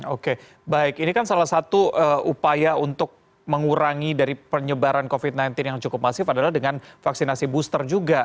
oke baik ini kan salah satu upaya untuk mengurangi dari penyebaran covid sembilan belas yang cukup masif adalah dengan vaksinasi booster juga